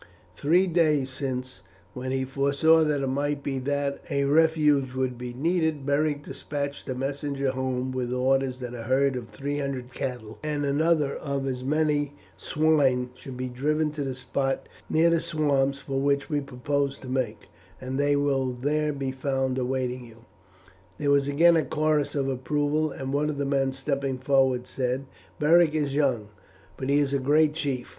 Three days since, when he foresaw that it might be that a refuge would be needed, Beric despatched a messenger home with orders that a herd of three hundred cattle and another of as many swine should be driven to the spot near the swamps for which we propose to make, and they will there be found awaiting you." There was again a chorus of approval, and one of the men stepping forward said, "Beric is young, but he is a great chief.